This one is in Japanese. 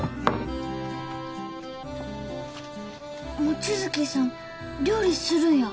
望月さん料理するんや。